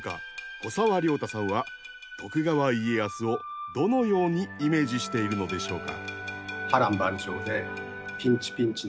古沢良太さんは徳川家康をどのようにイメージしているのでしょうか？